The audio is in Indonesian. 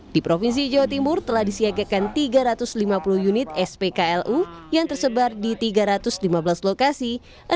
di provinsi jawa timur telah disiagakan tiga ratus lima puluh unit spklu yang tersebar di tiga ratus lima belas lokasi